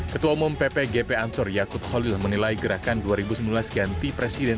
ketua umum ppgp ansor yakut holil menilai gerakan dua ribu sembilan belas ganti presiden